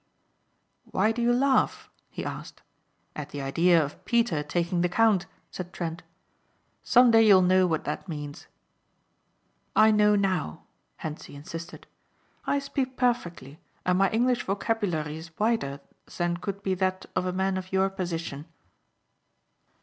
"Why do you laugh," he asked. "At the idea of Peter taking the count," said Trent. "Someday you'll know what that means." "I know now," Hentzi insisted, "I speak perfectly and my English vocabulary is wider than could be that of a man of your position."